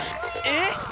えっ！